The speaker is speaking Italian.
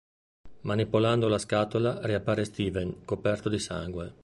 Manipolando la scatola, riappare Steven, coperto di sangue.